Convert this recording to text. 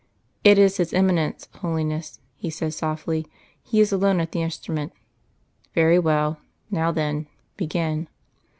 "It is his Eminence, Holiness," he said softly. "He is alone at the instrument." "Very well. Now then; begin."